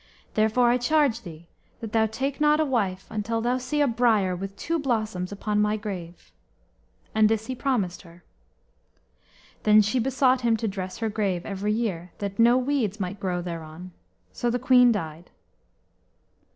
Therefore I charge thee that thou take not a wife until thou see a briar with two blossoms upon my grave." And this he promised her. Then she besought him to dress her grave every year, that no weeds might grow thereon. So the queen died.